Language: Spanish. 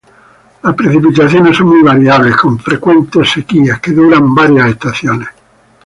Las precipitaciones son muy variables, con frecuentes sequías que duran varias estaciones.